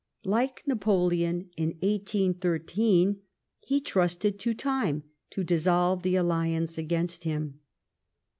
Like Napoleon in 1813, he trusted to time to dissolve the alliance against him.